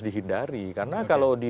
dihindari karena kalau di